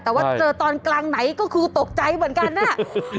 แต่ว่าเจอตอนกลางไหนก็คือตกใจเหมือนกันน่ะ